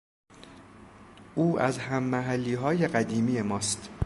او از هممحلیهای قدیمی ماست